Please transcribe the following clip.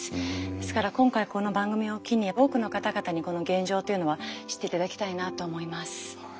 ですから今回この番組を機に多くの方々にこの現状というのは知って頂きたいなと思います。